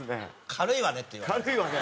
「軽いわね」って言われましたね。